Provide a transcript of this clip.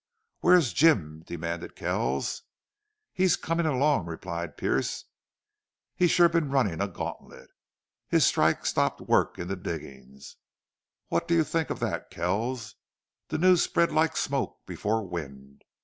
"Where's Jim?" demanded Kells. "He's comin' along," replied Pearce. "He's sure been runnin' a gantlet. His strike stopped work in the diggin's. What do you think of that, Kells? The news spread like smoke before wind.